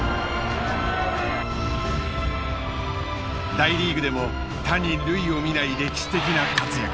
大リーグでも他に類を見ない歴史的な活躍。